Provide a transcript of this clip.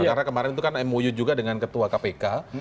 karena kemarin itu kan mou juga dengan ketua kpk